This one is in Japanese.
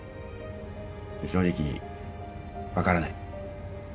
正直分からない。